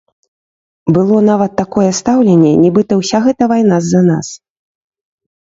Было нават такое стаўленне, нібыта ўся гэтая вайна з-за нас.